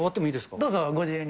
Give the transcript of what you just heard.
どうぞご自由に。